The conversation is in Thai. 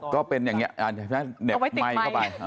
ก็เป็นอย่างนี้เอาไว้ติดไหม